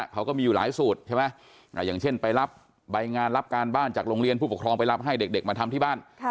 เขาก็มีอยู่หลายสูตรใช่ไหมอย่างเช่นไปรับใบงานรับการบ้านจากโรงเรียนผู้ปกครองไปรับให้เด็กมาทำที่บ้าน